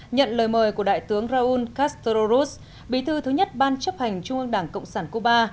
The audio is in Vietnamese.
nhận lời mời của đại tướng raúl castro ruz bí thư thứ nhất ban chấp hành trung ương đảng cộng sản cuba